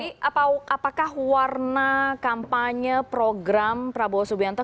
jadi apakah warna kampanye program prabowo subianto